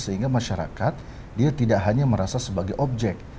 sehingga masyarakat dia tidak hanya merasa sebagai objek